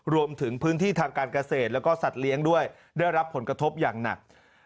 รวมถึงพื้นที่ทางการเกษตรแล้วก็สัตว์เลี้ยงด้วยได้รับผลกระทบอย่างหนัก